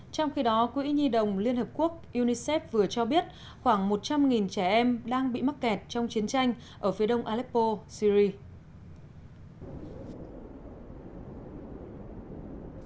trong khi đó quỹ nhi đồng liên hợp quốc unicef vừa cho biết khoảng một trăm linh trẻ em đang bị mắc kẹt trong chiến tranh ở phía đông aleppo syri